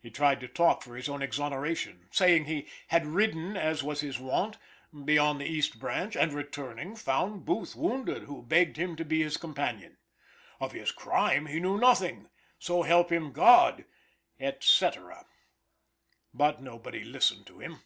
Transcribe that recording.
He tried to talk for his own exoneration, saying he had ridden, as was his wont, beyond the East Branch, and returning, found Booth wounded, who begged him to be his companion. Of his crime he knew nothing, so help him God, &c. But nobody listened to him.